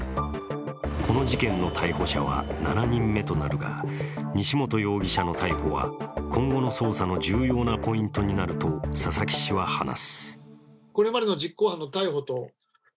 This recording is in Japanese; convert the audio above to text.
この事件の逮捕者は７人目となるが西本容疑者の逮捕は、今後の捜査の重要なポイントになると佐々木氏は話す。